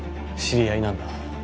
知り合いなんだ